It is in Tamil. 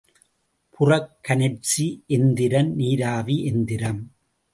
புறக்கனற்சி எந்திரம் நீராவி எந்திரம்.